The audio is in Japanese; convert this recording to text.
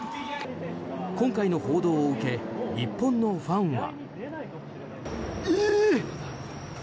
今回の報道を受け日本のファンは。